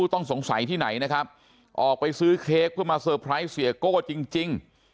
ต้องสงสัยที่ไหนนะครับออกไปซื้อเค้กเพื่อมาเตอร์ไพรส์เสียโก้จริง